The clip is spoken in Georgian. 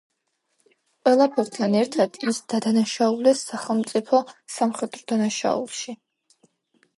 ყველაფერთან ერთად ის დაადანაშაულეს სახელმწიფო სამხედრო დანაშაულში.